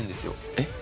えっ？